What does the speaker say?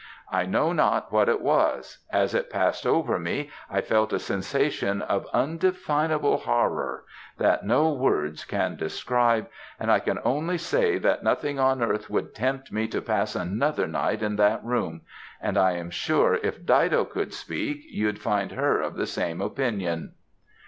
I know not what it was as it passed over me I felt a sensation of undefinable horror, that no words can describe and I can only say that nothing on earth would tempt me to pass another night in that room, and I am sure if Dido could speak, you'd find her of the same opinion.